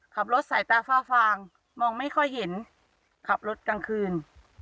ขับรถสายตาฟ้าฟางมองไม่ค่อยเห็นขับรถกลางคืน